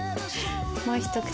もう一口。